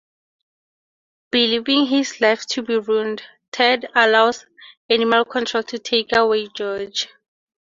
Believing his life to be ruined, Ted allows animal control to take away George.